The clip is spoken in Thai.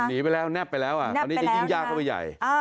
หนีไปแล้วแบไปแล้วตอนนี้จะยิ่งยากเข้าไปใหญ่